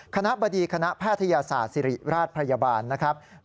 คณะบดีคณะแพทยศาสตร์ศิริราชพยาบาลนะครับ